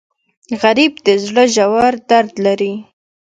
غریب د زړه ژور درد لري